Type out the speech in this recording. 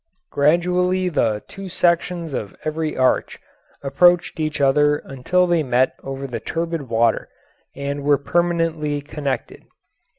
Gradually the two sections of every arch approached each other until they met over the turbid water and were permanently connected.